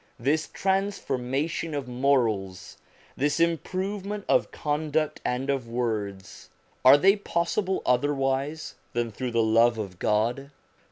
This transformation of morals, this improvement of conduct and of words, are they possible otherwise than through the love of God?